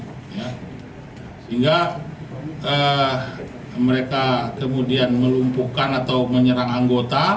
sehingga mereka kemudian melumpuhkan atau menyerang anggota